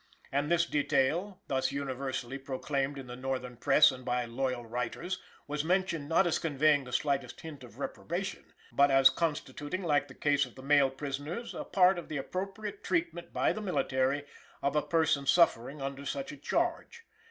And this detail, thus universally proclaimed in the Northern Press and by loyal writers, was mentioned not as conveying the slightest hint of reprobation, but as constituting, like the case of the male prisoners, a part of the appropriate treatment by the military of a person suffering under such a charge.